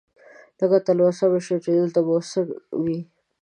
لږه تلوسه مې شوه چې دلته به اوس څه وي.